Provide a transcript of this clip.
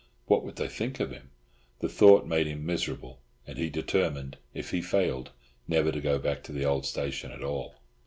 What would they think of him? The thought made him miserable; and he determined, if he failed, never to go back to the old station at all.